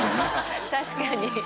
確かに。